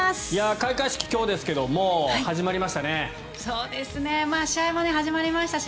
開会式、今日ですけど始まりましたね。